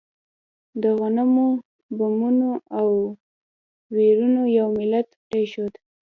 د غمونو، بمونو او ويرونو یو ملت پرېښود.